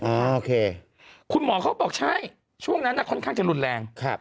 โอเคคุณหมอเขาบอกใช่ช่วงนั้นค่อนข้างจะรุนแรง